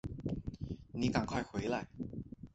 妳赶快回来